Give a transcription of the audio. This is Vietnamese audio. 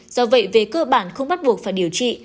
do vậy về cơ bản không bắt buộc phải điều trị